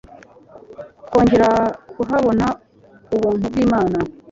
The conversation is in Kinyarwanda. twongera kuhabona ubuntu bw'Imana